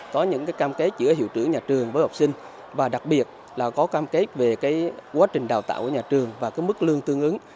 có những cam kết giữa hiệu trưởng nhà trường với học sinh và đặc biệt là có cam kết về quá trình đào tạo của nhà trường và mức lương tương ứng